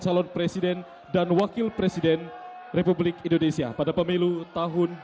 calon presiden dan wakil presiden republik indonesia pada pemilu tahun dua ribu sembilan belas hai hai